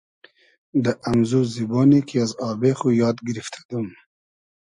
دۂ امزو زیبۉنی کی از آبې خو یاد گیرفتۂ دوم